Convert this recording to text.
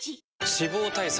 脂肪対策